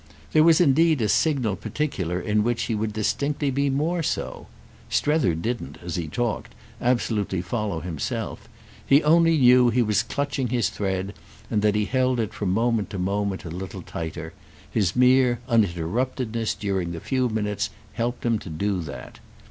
There was indeed a signal particular in which he would distinctly be more so. Strether didn't, as he talked, absolutely follow himself; he only knew he was clutching his thread and that he held it from moment to moment a little tighter; his mere uninterruptedness during the few minutes helped him to do that.